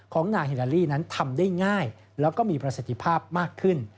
ของนางฮิลาลีนั้นทำได้ง่ายแล้วก็มีประสิทธิภาพมากขึ้น